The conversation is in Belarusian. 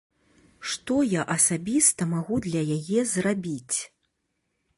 Што я асабіста магу для яе зрабіць?